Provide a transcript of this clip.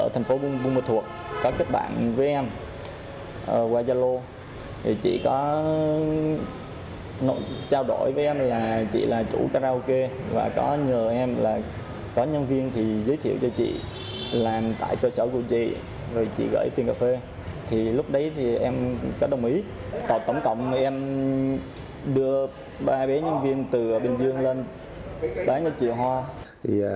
tổng cộng em đưa ba bế nhân viên từ bình dương lên đánh cho chị hoa